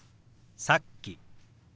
「さっき」。